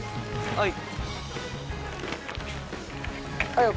はい。